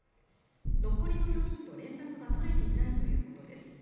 残りの４人と、連絡が取れていないということです。